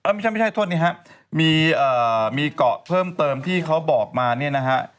ไม่ใช่โทษนี้ครับมีเกาะเพิ่มเติมที่เขาบอกมาเนี่ยนะฮะ